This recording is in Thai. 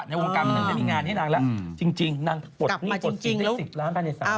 ในวงการมันก็ไม่มีงานให้นางแล้วจริงนางปลดหนี้๑๐ล้านบาทใน๓ปี